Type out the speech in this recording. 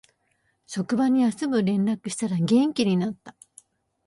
職場に休む連絡したら元気になった